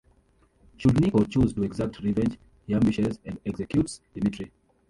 Should Niko choose to exact revenge, he ambushes and executes Dimitri.